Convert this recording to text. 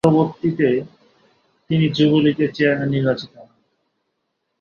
পরবর্তীতে তিনি যুবলীগের চেয়ারম্যান নির্বাচিত হন।